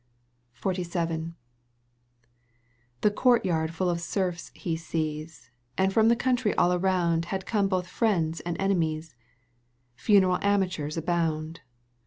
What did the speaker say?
XLVII. The courtyard fall of serfs he sees, And from the country all aroxmd Had come both friends and enemies — Funeral amateurs abound